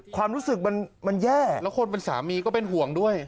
ความรู้สึกมันแย่แล้วคนเป็นสามีก็เป็นห่วงด้วย